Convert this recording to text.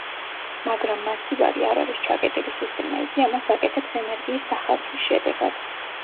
მაგრამ მაცივარი არ არის ჩაკეტილი სისტემა, იგი ამას აკეთებს ენერგიის დახარჯვის შედეგად.